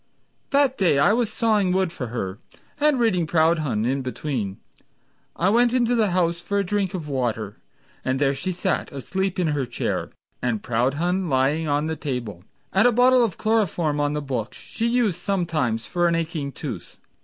That day I was sawing wood for her, And reading Proudhon in between. I went in the house for a drink of water, And there she sat asleep in her chair, And Proudhon lying on the table, And a bottle of chloroform on the book, She used sometimes for an aching tooth!